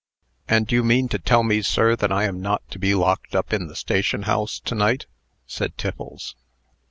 "And you mean to tell me, sir, that I am not to be locked up in the station house to night," said Tiffles.